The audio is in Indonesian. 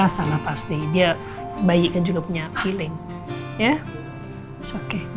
sampai jumpa lagi